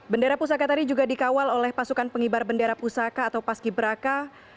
bendera pusaka tadi juga dikawal oleh pasukan pengibar bendera pusaka atau paski beraka